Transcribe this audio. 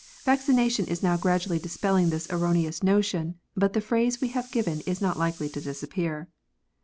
Vaccination is now gradually dispelling this erroneous notion, but the phrase we have given is not likely to disappear.